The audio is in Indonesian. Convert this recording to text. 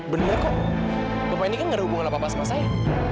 bener kok bapak ini kan gak ada hubungan apa apa sama saya